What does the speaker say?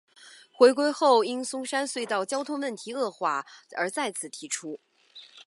回归后因松山隧道交通问题恶化而再次提出。